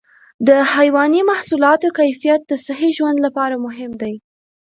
د حيواني محصولاتو کیفیت د صحي ژوند لپاره مهم دی.